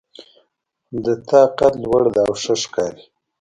د تا قد لوړ ده او ښه ښکاري